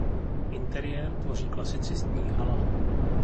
Interiér tvoří klasicistní hala.